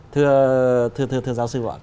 thưa giáo sư gọi